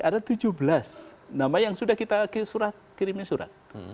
ada tujuh belas nama yang sudah kita kirimi surat